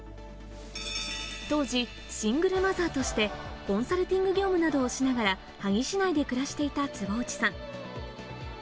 当時シングルマザーとしてコンサルティング業務などをしながら萩市内で暮らしていた坪内さん。